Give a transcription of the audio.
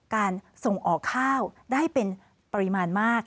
การส่งออกข้าวได้เป็นปริมาณมาก